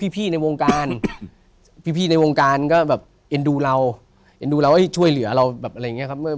ในวงการพี่ในวงการก็แบบเอ็นดูเราเอ็นดูเราช่วยเหลือเราแบบอะไรอย่างนี้ครับ